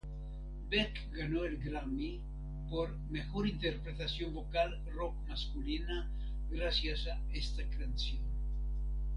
Beck ganó el Grammy por "Mejor Interpretación Vocal Rock Masculina" gracias a esta canción.